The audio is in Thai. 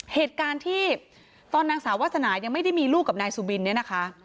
เหตุการณ์ที่ตอนนางสาววาสนายังไม่ได้มีลูกกับนายสุบินเนี่ยนะคะ